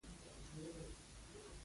فکري تړاوونه هغسې پاتې نه شول.